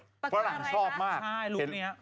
ต้องการอะไรนะฟุตรังชอบมาก